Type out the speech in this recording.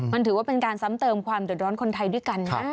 มันถือว่าเป็นการซ้ำเติมความเดือดร้อนคนไทยด้วยกันนะ